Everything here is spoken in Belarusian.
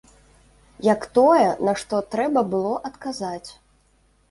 Як тое, на што трэба было адказаць.